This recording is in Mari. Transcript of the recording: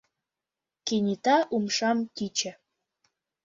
Кенета умшам тӱчӧ.